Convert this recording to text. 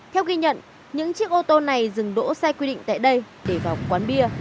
theo ghi nhận những chiếc ô tô này dừng đỗ sai quy định tại đây để vào quán bia